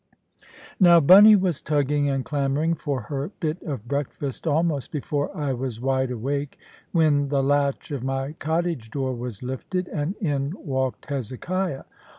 Now Bunny was tugging and clamouring for her bit of breakfast, almost before I was wide awake, when the latch of my cottage door was lifted, and in walked Hezekiah.